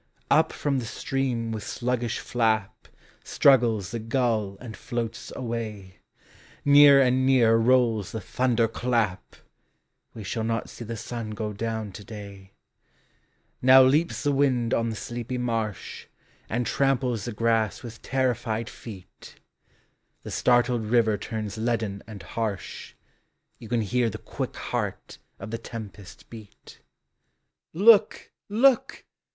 121 Up from the stream with sluggish flap Struggles the gull and floats away ; Nearer and nearer rolls the thunder clap ^Ye shall not see the sun go down to day : Now leaps the wind on the sleepy marsh, And tramples the grass with terrified feet, The startled river turns leaden and harsh, You can hear the quick heart of the tempesl beat. Look! look!